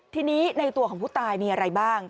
ทีนี้ในตัวของผู้ตายมีอะไรบ้าง